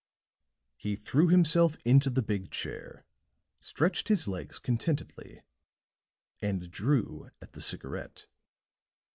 He threw himself into the big chair, stretched his legs contentedly and drew at the cigarette.